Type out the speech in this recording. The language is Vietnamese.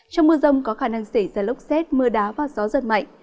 trong mưa rông có khả năng xảy ra lốc xét mưa đá và gió giật mạnh